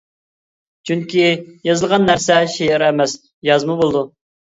چۈنكى، يېزىلغان نەرسە شېئىر ئەمەس، يازما بولىدۇ.